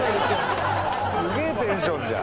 すげえテンションじゃん。